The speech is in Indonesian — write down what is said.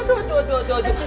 aduh aduh aduh